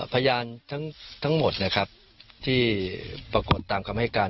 พยานทั้งหมดนะครับที่ปรากฏตามคำให้การ